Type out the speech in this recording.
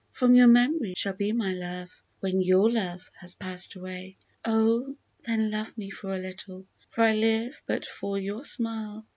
For your mem'ry shall be my love, when j'^wr love has pass'd away ; Oh ! then love me for a little, for I live but for your smile.